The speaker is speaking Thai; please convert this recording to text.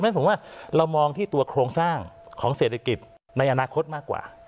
เพราะฉะนั้นผมว่าเรามองที่ตัวโครงสร้างของเศรษฐกิจในอนาคตมากกว่า